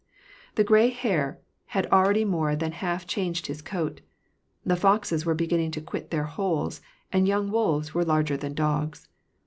The gray hare had already more than half changed his coat ; the foxes were beginning to quit their holes, and young wolves were larger than dogs.